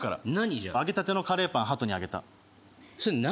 じゃあ揚げたてのカレーパンハトにあげたそれ何？